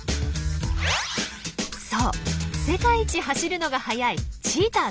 そう世界一走るのが速いチーターです。